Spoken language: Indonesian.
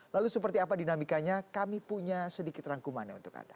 lalu seperti apa dinamikanya kami punya sedikit rangkumannya untuk anda